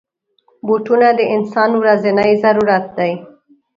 بوټونه د انسان ورځنی ضرورت دی.